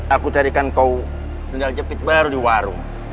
aku carikan kau sendal jepit baru di warung